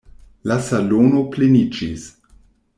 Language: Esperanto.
La salono pleniĝis.